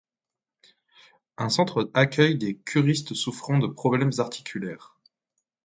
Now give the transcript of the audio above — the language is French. Un centre accueille des curistes souffrant de problèmes articulaires.